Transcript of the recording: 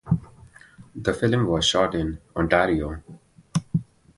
The film was shot in Ontario.